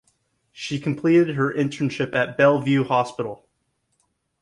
She completed her internship at Bellevue Hospital.